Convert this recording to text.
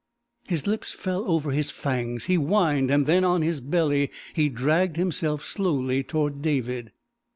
His lips fell over his fangs, he whined, and then, on his belly, he dragged himself slowly toward David!